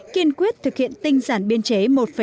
kiên quyết thực hiện tinh giản biên chế một năm